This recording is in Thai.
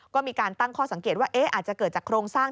ก็มีการตั้งข้อสังเกตว่าอาจจะเกิดจากโครงสร้าง